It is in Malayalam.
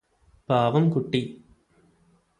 പാവം കുട്ടി